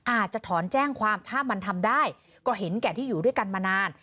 อาจจะถอนแจ้งความถ้ามันทำได้ก็เห็นแก่ที่อยู่ด้วยกันมานาน